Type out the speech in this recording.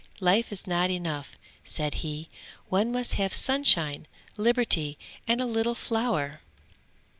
"Life is not enough," said he, "one must have sunshine, liberty and a little flower!"